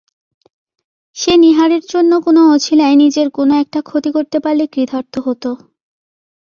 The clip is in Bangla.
সে নীহারের জন্য কোনো অছিলায় নিজের কোনো একটা ক্ষতি করতে পারলে কৃতার্থ হত।